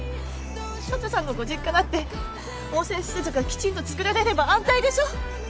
佐都さんのご実家だって温泉施設がきちんとつくられれば安泰でしょ？